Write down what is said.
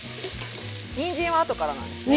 にんじんは後からなんですね。